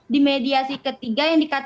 di mediasi yang kedua